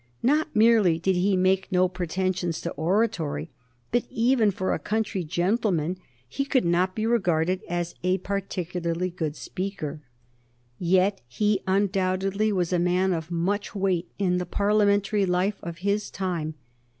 Not merely did he make no pretensions to oratory, but, even for a country gentleman, he could not be regarded as a particularly good speaker. Yet he undoubtedly was a man of much weight in the Parliamentary life of his time.